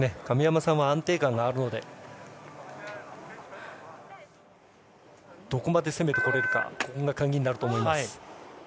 神山さんは安定感があるのでどこまで攻めてこれるかが鍵になると思います。